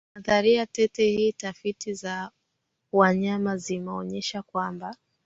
nadharia tete hii tafiti za wanyama zimeonyesha kwamba